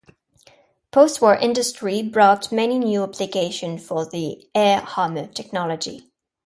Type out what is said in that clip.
Post-war industry brought many new applications for the "air hammer" technology.